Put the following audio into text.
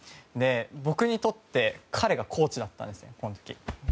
僕にとって、彼がコーチだったんです、この時。